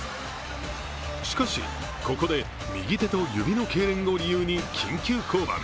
しかし、ここで右手と指のけいれんを理由に緊急降板。